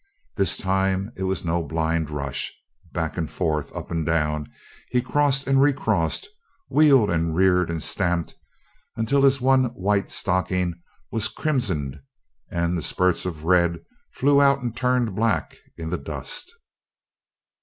This time is was no blind rush. Back and forth, up and down, he crossed and recrossed, wheeled and reared and stamped, until his one white stocking was crimsoned and spurts of red flew out and turned black in the dust.